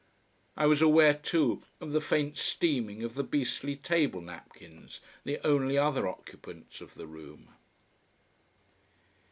I was aware too of the faint steaming of the beastly table napkins, the only other occupants of the room.